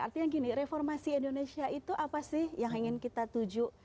artinya gini reformasi indonesia itu apa sih yang ingin kita tuju